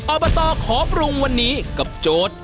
ออร์บาตอร์ขอบรุงวันนี้กับโจทย์